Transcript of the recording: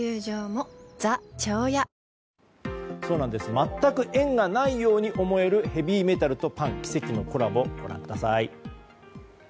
全く縁がないように思えるヘビーメタルとパン奇跡のコラボをご覧ください。